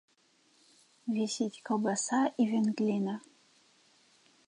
Вісіць каўбаса і вяндліна.